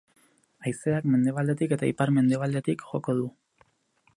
Haizeak mendebaldetik eta ipar-mendebaldetik joko du.